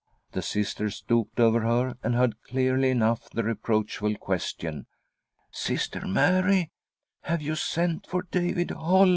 The Sister stooped over her, and heard clearly enough the reproachful . question :" Sister Mary, have you sent for David Holm?"